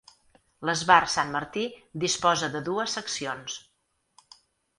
L'Esbart Sant Martí disposa de dues seccions.